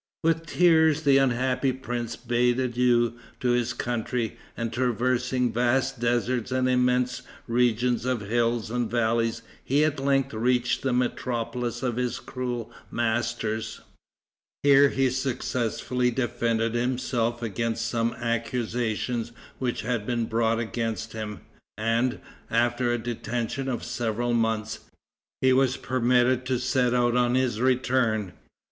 With tears the unhappy prince bade adieu to his country, and, traversing vast deserts and immense regions of hills and valleys, he at length reached the metropolis of his cruel masters. Here he successfully defended himself against some accusations which had been brought against him, and, after a detention of several months, he was permitted to set out on his return.